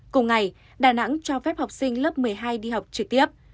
cùng ngày đà nẵng cho phép học sinh lớp một mươi hai đi học trực tiếp